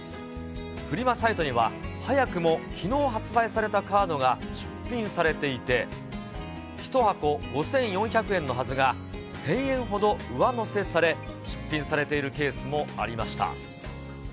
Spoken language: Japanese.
フリマサイトには、早くもきのう発売されたカードが出品されていて、１箱５４００円のはずが１０００円ほど上乗せされ、出品されているケースもありました。